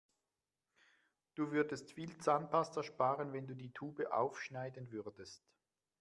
Du würdest viel Zahnpasta sparen, wenn du die Tube aufschneiden würdest.